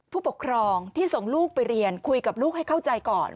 ผู้ปกครองที่ส่งลูกไปเรียนคุยกับลูกให้เข้าใจก่อน